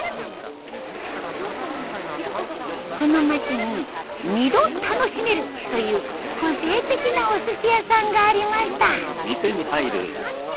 この町に「２度楽しめる！」という個性的なおすし屋さんがありました。